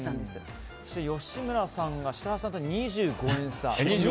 吉村さんが設楽さんと２５円差。